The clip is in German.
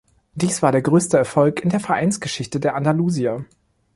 Dies war der größte Erfolg in der Vereinsgeschichte der Andalusier.